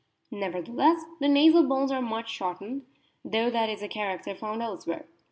Nevertheless, the .nasal bones are much shortened, though that is a character found elsewhere.